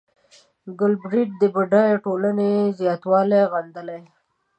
ګالبرېټ د بډایه ټولنې زیاتوالی غندلی.